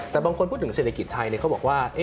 แต่บางคนพูดถึงเศรษฐกิจไทยเขาบอกว่า